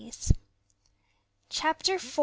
CHAPTER IV.